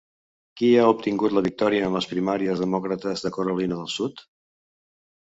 Qui ha obtingut la victòria en les primàries demòcrates de Carolina del Sud?